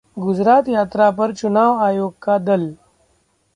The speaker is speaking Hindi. गुजरात यात्रा पर चुनाव आयोग का दल